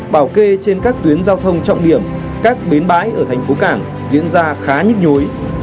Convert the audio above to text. bảo kê trên các tuyến giao thông trọng điểm các bến bãi ở thành phố cảng diễn ra khá nhức nhối